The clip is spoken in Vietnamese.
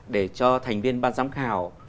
để cho thành viên ban giám khảo